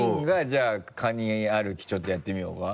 じゃあカニ歩きちょっとやってみようか？